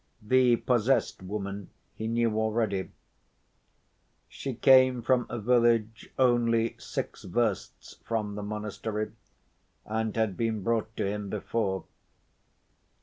The "possessed" woman he knew already. She came from a village only six versts from the monastery, and had been brought to him before.